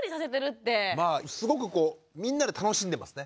すごくこうみんなで楽しんでますね。